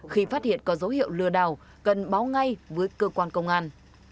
khi phát hiện có dấu hiệu lừa đảo cần báo ngay với cơ quan công an